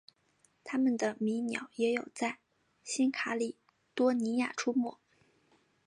它们的迷鸟也有在新喀里多尼亚出没。